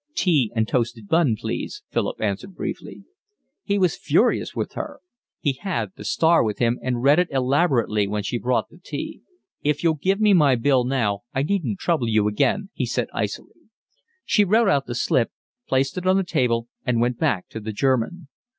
"Tea and toasted bun, please," Philip answered briefly. He was furious with her. He had The Star with him and read it elaborately when she brought the tea. "If you'll give me my bill now I needn't trouble you again," he said icily. She wrote out the slip, placed it on the table, and went back to the German.